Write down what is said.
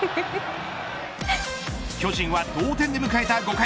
巨人は同点で迎えた５回。